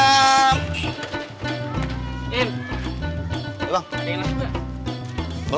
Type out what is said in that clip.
ada yang nafsu pak